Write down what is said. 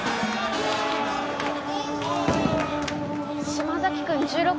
島崎君１６？